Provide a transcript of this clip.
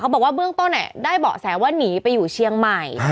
บอกว่าเบื้องต้นได้เบาะแสว่าหนีไปอยู่เชียงใหม่